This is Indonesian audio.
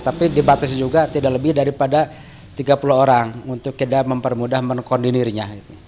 tapi dibatasi juga tidak lebih daripada tiga puluh orang untuk tidak mempermudah mengkoordinirnya